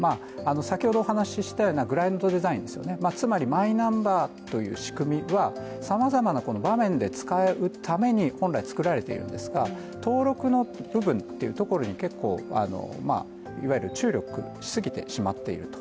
先ほどお話したようなグランドデザインですよね、つまりマイナンバーという仕組みはさまざまな場面で使うために本来作られているんですが、登録の部分というところに結構、いわゆる注力しすぎてしまっていると。